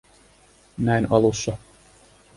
Näin alussa.